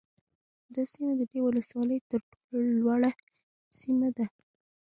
دا سیمه د دې ولسوالۍ ترټولو لوړه سیمه ده